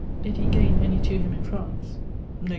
] Did he gaine any to him in France? Neg.